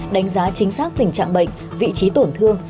đánh giá chính xác tình trạng bệnh vị trí tổn thương